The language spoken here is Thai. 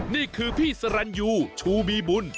นี่คือพี่สรรยูชูมีบุญ